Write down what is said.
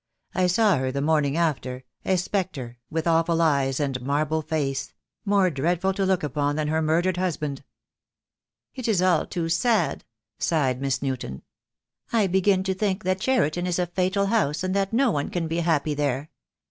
I saw her the morning after, a spectre, with awful eyes and marble face — more dreadful to look upon than her murdered husband." "It is all too sad," sighed Miss Newton. "I begin to think that Cheriton is a fatal house, and that no one can be happy there.